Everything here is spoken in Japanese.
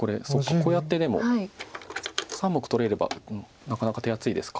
こうやってでも３目取れればなかなか手厚いですか。